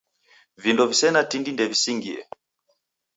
Vindo visena tindi ndevisingie.